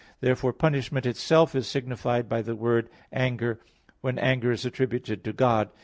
Therefore punishment itself is signified by the word anger, when anger is attributed to God.